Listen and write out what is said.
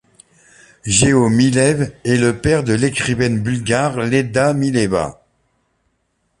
Geo Milev est le père de l'écrivaine bulgare Leda Mileva.